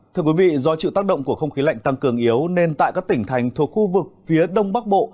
thưa quý vị do chịu tác động của không khí lạnh tăng cường yếu nên tại các tỉnh thành thuộc khu vực phía đông bắc bộ